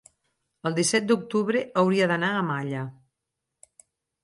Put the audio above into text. el disset d'octubre hauria d'anar a Malla.